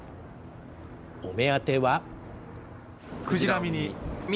お目当ては。